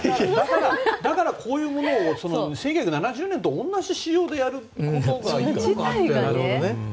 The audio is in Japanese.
だからこういうものを１９７０年と同じ仕様でやることがね。